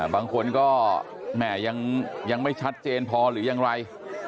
บางคนก็แหม่ยังไม่ชัดเจนพอหรือยังไร